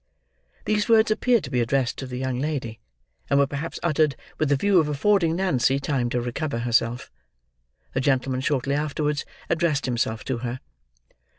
These words appeared to be addressed to the young lady, and were perhaps uttered with the view of affording Nancy time to recover herself. The gentleman, shortly afterwards, addressed himself to her.